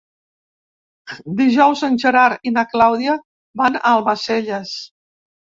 Dijous en Gerard i na Clàudia van a Almacelles.